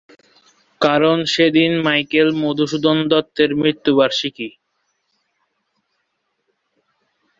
কারণ সেদিন মাইকেল মধুসূদন দত্তের মৃত্যুবার্ষিকী।